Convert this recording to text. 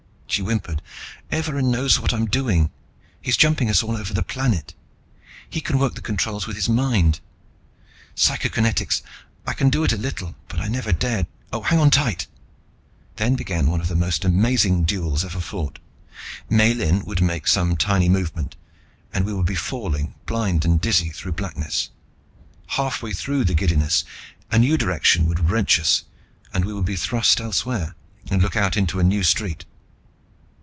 She whimpered, "Evarin knows what I'm doing. He's jumping us all over the planet. He can work the controls with his mind. Psychokinetics I can do it a little, but I never dared oh, hang on tight!" Then began one of the most amazing duels ever fought. Miellyn would make some tiny movement, and we would be falling, blind and dizzy, through blackness. Halfway through the giddiness, a new direction would wrench us and we would be thrust elsewhere, and look out into a new street.